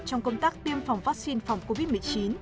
trong công tác tiêm phòng vaccine phòng covid một mươi chín